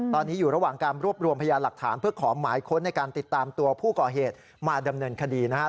ตอนนี้อยู่ระหว่างการรวบรวมพยานหลักฐานเพื่อขอหมายค้นในการติดตามตัวผู้ก่อเหตุมาดำเนินคดีนะฮะ